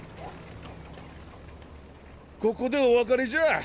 ここでお別れじゃ。